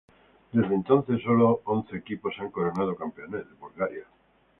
Desde entonces, sólo once equipos se han coronado campeones de Bulgaria.